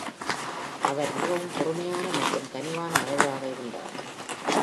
அவர் மிகவும் பொறுமையான மற்றும் கனிவான மனிதராக இருந்தார்.